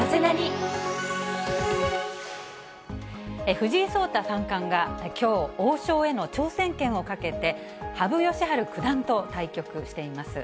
藤井聡太三冠がきょう、王将への挑戦権をかけて、羽生善治九段と対局しています。